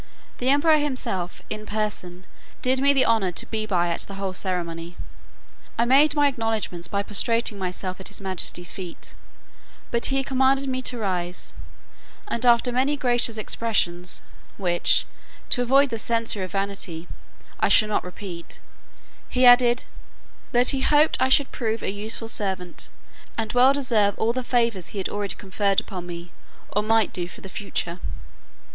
The emperor himself, in person, did me the honour to be by at the whole ceremony. I made my acknowledgements by prostrating myself at his majesty's feet: but he commanded me to rise; and after many gracious expressions, which, to avoid the censure of vanity, I shall not repeat, he added, "that he hoped I should prove a useful servant, and well deserve all the favours he had already conferred upon me, or might do for the future."